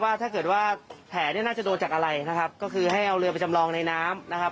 ถ้าเกิดว่าแผลเนี่ยน่าจะโดนจากอะไรนะครับก็คือให้เอาเรือไปจำลองในน้ำนะครับ